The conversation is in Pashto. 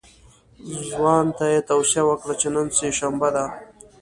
ځوان ته یې توصیه وکړه چې نن سه شنبه ده.